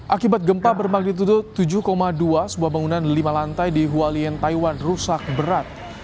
akibat gempa bermagnitudo tujuh dua sebuah bangunan lima lantai di hualian taiwan rusak berat